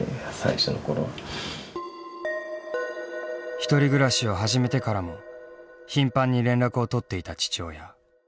１人暮らしを始めてからも頻繁に連絡を取っていた父親。